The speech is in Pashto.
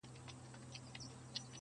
زموږ به کله د عمرونو رنځ دوا سي!.